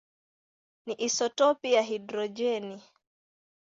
ni isotopi ya hidrojeni.